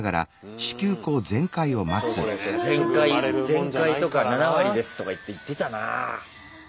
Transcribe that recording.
「全開」とか「７割です」とかいって言ってたな。